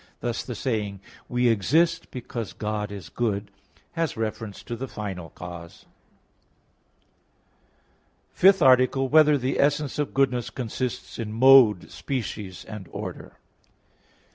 Thus the saying, "we exist because God is good" has reference to the final cause. _______________________ FIFTH ARTICLE [I, Q. 5, Art. 5] Whether the Essence of Goodness Consists in Mode, Species and Order?